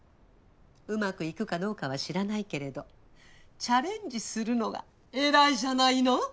うまくいくかどうかは知らないけれどチャレンジするのが偉いじゃないの。